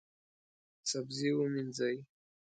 سبزي ومینځئ